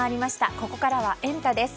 ここからはエンタ！です。